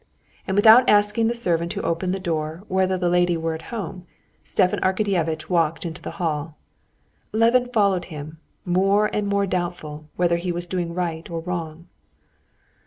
And without asking the servant who opened the door whether the lady were at home, Stepan Arkadyevitch walked into the hall. Levin followed him, more and more doubtful whether he was doing right or wrong.